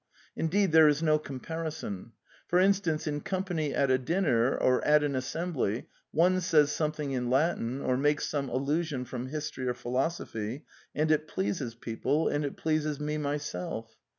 In deed, there is no comparison. For instance, in com pany at a dinner, or at an assembly, one says some thing in Latin, or makes some allusion from history or philosophy, and it pleases people, and it pleases me myself.